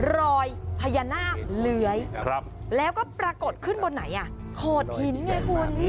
รอยพญานาคเลื้อยแล้วก็ปรากฏขึ้นบนไหนอ่ะโขดหินไงคุณ